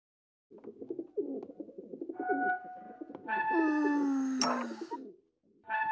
うん。